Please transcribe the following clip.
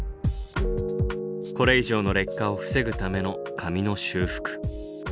これ以上の劣化を防ぐための紙の修復。